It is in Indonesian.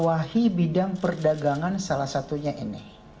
wahi bidang perdagangan salah satunya ini